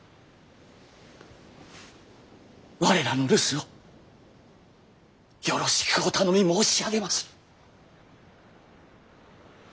我らの留守をよろしくお頼み申し上げまする。